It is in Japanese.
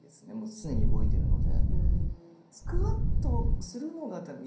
常に動いてるので。